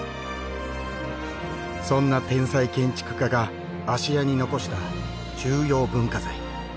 そんな天才建築家が芦屋に残した重要文化財。